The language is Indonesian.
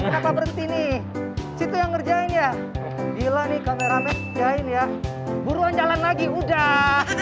kenapa berhenti nih situ yang ngerjain ya gila nih kameramen kerjain ya buruan jalan lagi udah